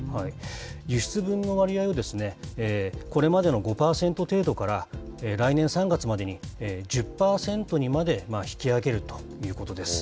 輸出分の割合を、これまでの５％程度から、来年３月までに１０％にまで引き上げるということです。